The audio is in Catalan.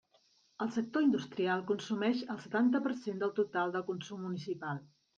El sector industrial consumeix el setanta per cent del total del consum municipal.